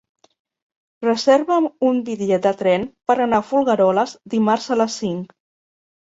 Reserva'm un bitllet de tren per anar a Folgueroles dimarts a les cinc.